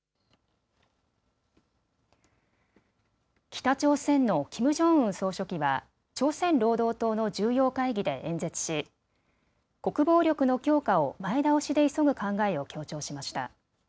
北朝鮮のキム・ジョンウン総書記は朝鮮労働党の重要会議で演説し国防力の強化を前倒しで急ぐ考えを強調しました。